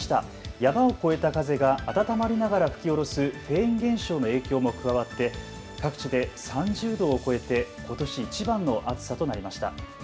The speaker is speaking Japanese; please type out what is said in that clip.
山を越えた風が暖まりながら吹き降ろすフェーン現象の影響も加わって各地で３０度を超えてことしいちばんの暑さとなりました。